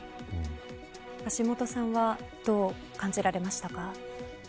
橋下さんはどう感じられましたか。